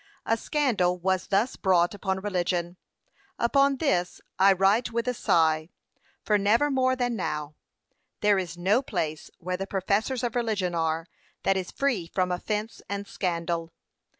p. 525. A scandal was thus brought upon religion. 'Upon this I write with a sigh; for never more than now. There is no place where the professors of religion are, that is free from offence and scandal.